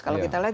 kalau kita lihat